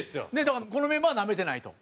だからこのメンバーはナメてないと。